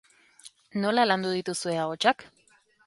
Nola landu dituzue ahotsak?